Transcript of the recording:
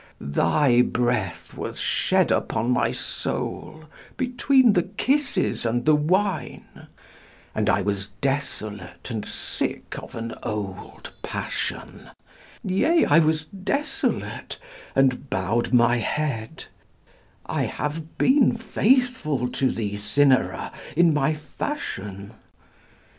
thy breath was shed Upon my soul between the kisses and the wine; And I was desolate and sick of an old passion, Yea, I was desolate and bowed my head: I have been faithful to thee, Cynara! in my fashion.